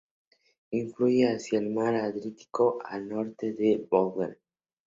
Fluye hacia el mar Adriático, al norte de Vlorë.